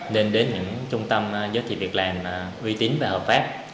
nên đến những trung tâm giới thiệu việc làm uy tín và hợp pháp